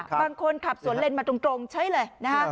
บางคนขับสวนเลนมาตรงใช่เลยนะครับ